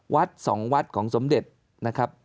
วัดสองวัดของโสมเดชนะครับ